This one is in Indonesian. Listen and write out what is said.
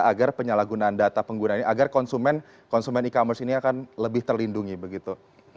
agar penyalahgunaan data pengguna ini agar konsumen e commerce ini akan lebih terlindungi begitu